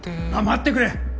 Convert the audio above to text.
待ってくれ！